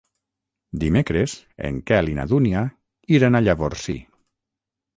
Dimecres en Quel i na Dúnia iran a Llavorsí.